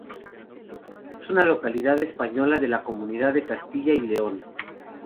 Es una localidad española de la comunidad de Castilla y León.